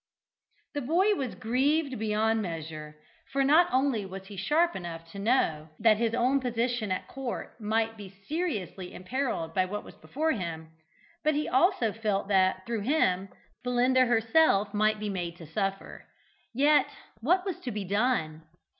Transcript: The boy was grieved beyond measure, for not only was he sharp enough to know that his own position at court might be seriously imperilled by what was before him, but he also felt that, through him, Belinda herself might be made to suffer. Yet what was to be done?